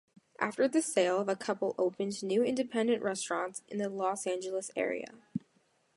After the sale, the couple opened new independent restaurants in the Los Angeles area.